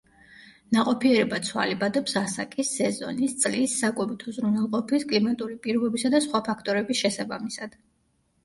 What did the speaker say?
ნაყოფიერება ცვალებადობს ასაკის, სეზონის, წლის, საკვებით უზრუნველყოფის, კლიმატური პირობებისა და სხვა ფაქტორების შესაბამისად.